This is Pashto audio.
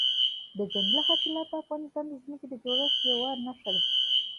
دځنګل حاصلات د افغانستان د ځمکې د جوړښت یوه نښه ده.